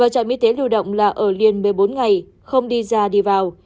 trạm y tế lưu động là ở liền một mươi bốn ngày không đi ra đi vào